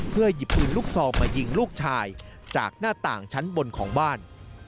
หยิบปืนลูกซองมายิงลูกชายจากหน้าต่างชั้นบนของบ้าน